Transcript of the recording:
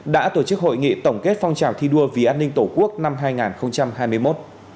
đã tổ chức hội nghị tổng kết phong trào thi đua vì an ninh tổ quốc năm hai nghìn hai mươi một